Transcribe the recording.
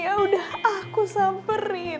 ya udah aku samperin